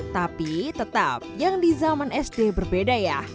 tapi tetap yang di zaman sd berbeda ya